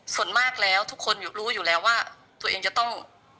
ส่วนมากแล้วทุกคนรู้อยู่แล้วว่าตัวเองจะต้อง